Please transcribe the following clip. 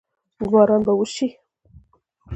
باران به وشي؟